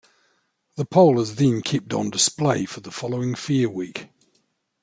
The pole is then kept on display for the following "fair week".